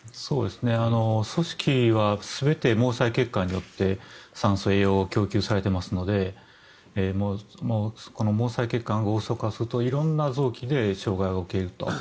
組織は全て毛細血管によって酸素、栄養を供給されていますのでこの毛細血管がゴースト化すると色んな臓器で障害が起きると。